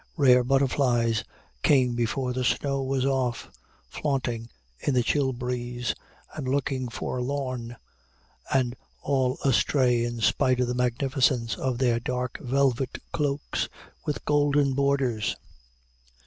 Rare butterflies came before the snow was off, flaunting in the chill breeze, and looking forlorn and all astray in spite of the magnificence of their dark velvet cloaks with golden borders.